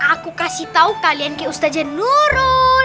aku kasih tau kalian ke ustazan nurul